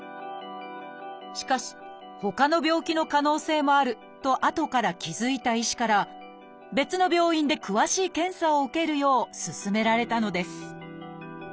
しかしほかの病気の可能性もあるとあとから気付いた医師から別の病院で詳しい検査を受けるようすすめられたのです